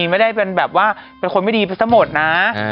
ไม่ได้เป็นแบบว่าเป็นคนไม่ดีไปซะหมดนะ